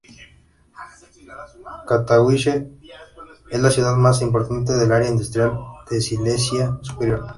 Katowice es la ciudad más importante del Área Industrial de Silesia Superior.